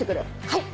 はい。